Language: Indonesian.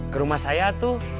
ke rumah saya tuh